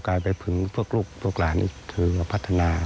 ก็กลายไปพึงพวกลูกพวกหลานมาพัฒนา